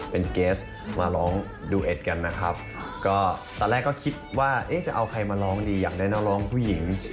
เป็นเกสมาร้องดูเอ็ดกันนะครับก็ตอนแรกก็คิดว่าเอ๊ะจะเอาใครมาร้องดีอยากได้นักร้องผู้หญิง